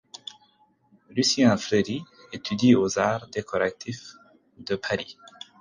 Lucien Fleury étudie au Arts décoratifs de Paris.